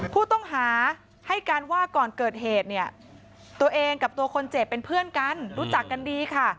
ผู้ต้องหาให้การว่าก่อนเกิดเหตุเนี่ยตัวเองกับตัวคนเจ็บเป็นเพื่อนกันรู้จักกันดีค่ะ